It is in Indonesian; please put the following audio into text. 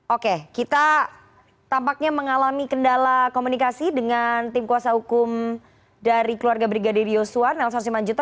oke kita tampaknya mengalami kendala komunikasi dengan tim kuasa hukum dari keluarga brigadir yosua nelson simanjuta